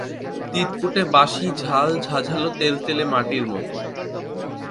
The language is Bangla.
তিতকুটে, বাসি, ঝাল, ঝাঁঝালো, তেলতেলে মাটির মতো।